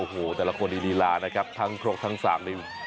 โอ้โหแต่ละคนดีลานะครับทั้งโครกทั้งสาม